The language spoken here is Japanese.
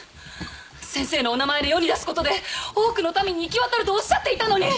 先生のお名前で世に出すことで多くの民に行き渡るとおっしゃっていたのに！